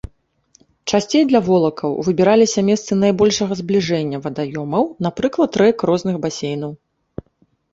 Часцей для волакаў выбіраліся месцы найбольшага збліжэння вадаёмаў, напрыклад рэк розных басейнаў.